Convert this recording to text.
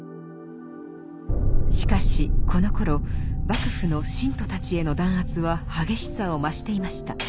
しかしこのころ幕府の信徒たちへの弾圧は激しさを増していました。